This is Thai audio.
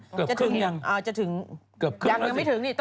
เกือบครึ่งยังอ่าจะถึงอย่างยังไม่ถึงนี่